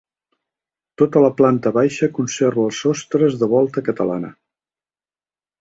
Tota la planta baixa conserva els sostres de volta catalana.